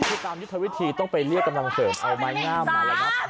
ที่ตามที่เธอวิธีต้องไปเรียกกำลังเกิดเอาไม้งามมาแล้วนะครับ